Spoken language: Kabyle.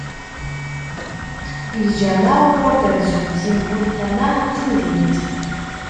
Ljameɛ uɣur d-rezzun si mkul tama n temdint.